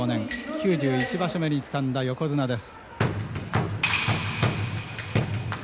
９１場所目につかんだ横綱です。